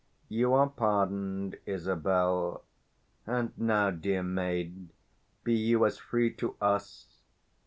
_ You are pardon'd, Isabel: 385 And now, dear maid, be you as free to us.